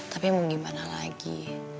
tapi mau bagaimana lagi